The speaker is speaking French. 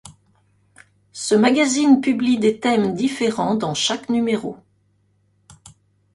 Ce magazine publie des thèmes différents dans chaque numéro.